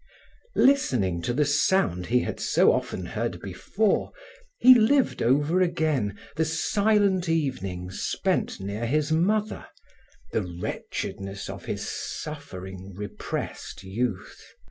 Listening to the sound he had so often heard before, he lived over again the silent evenings spent near his mother, the wretchedness of his suffering, repressed youth.